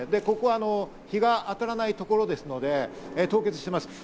ここは日が当たらないところですので凍結しています。